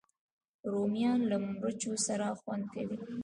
رومیان له مرچو سره خوند کوي